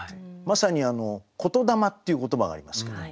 まさに言霊っていう言葉がありますけど。